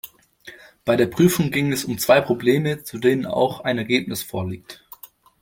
Bei der Prüfung ging es um zwei Probleme, zu denen auch ein Ergebnis vorliegt.